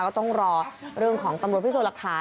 ก็ต้องรอเรื่องของตำรวจพิษูรค้า